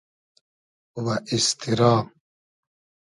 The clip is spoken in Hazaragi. و ایستیرا